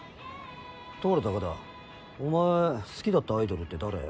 ところで高田お前好きだったアイドルって誰？